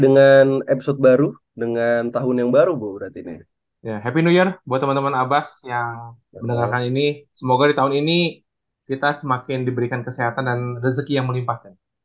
diberikan kesehatan dan rezeki yang melimpah